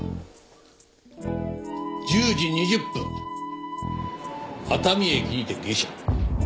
１０時２０分熱海駅にて下車。